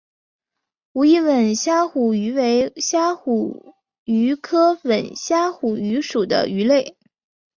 武义吻虾虎鱼为虾虎鱼科吻虾虎鱼属的鱼类。